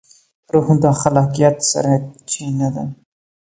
روح د خلاقیت سرچینه ده.